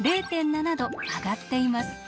０．７度上がっています。